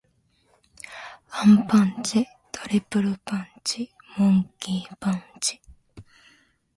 アンパンチ。トリプルパンチ。モンキー・パンチ。